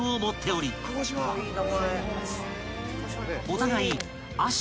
［お互い］